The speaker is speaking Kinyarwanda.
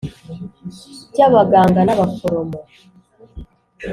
ry abaganga n abaforomo